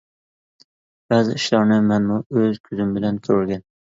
بەزى ئىشلارنى مەنمۇ ئۆز كۆزۈم بىلەن كۆرگەن.